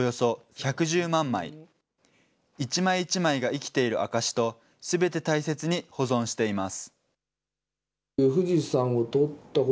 一枚一枚が生きている証しと、すべて大切に保存しています。